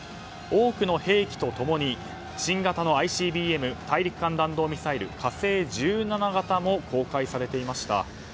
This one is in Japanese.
多くの兵器と共に新型のＩＣＢＭ・大陸間弾道ミサイル「火星１７」型も公開されていました。